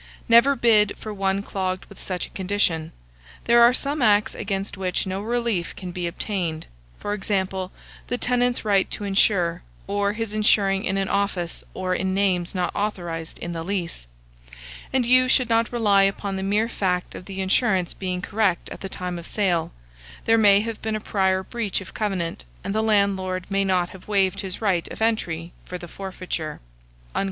Never bid for one clogged with such a condition. There are some acts against which no relief can be obtained; for example, the tenant's right to insure, or his insuring in an office or in names not authorized in the lease. And you should not rely upon the mere fact of the insurance being correct at the time of sale: there may have been a prior breach of covenant, and the landlord may not have waived his right of entry for the forfeiture."